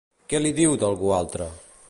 Què li diu d'algú altre?